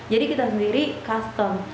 jadi kita sendiri custom